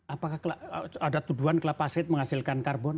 apakah ada tuduhan kelapa sait menghasilkan karbon